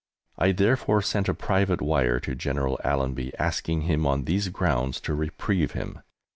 I therefore sent a private wire to General Allenby asking him on these grounds to reprieve him.